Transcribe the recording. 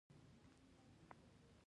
سبهاش چندر بوس ازاد هند پوځ جوړ کړ.